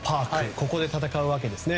ここで戦うわけですね。